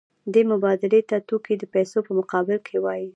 دې مبادلې ته توکي د پیسو په مقابل کې وايي